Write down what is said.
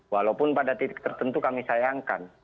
walaupun pada titik tertentu kami sayangkan